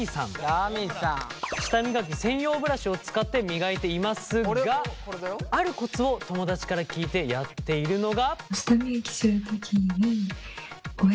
舌磨き専用ブラシを使って磨いていますがあるコツを友達から聞いてやっているのが。